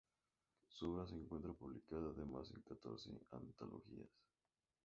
Su obra se encuentra publicada, además, en catorce antologías.